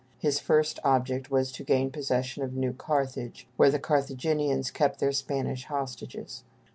His first object was to gain possession of New Carthage, where the Carthaginians kept their Spanish hostages.